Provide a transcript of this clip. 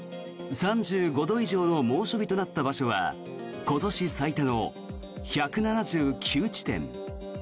３５度以上の猛暑日となった場所は今年最多の１７９地点。